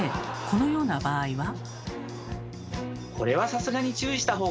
このような場合は？